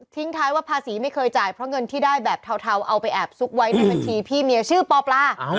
ท้ายว่าภาษีไม่เคยจ่ายเพราะเงินที่ได้แบบเทาเอาไปแอบซุกไว้ในบัญชีพี่เมียชื่อปอปลา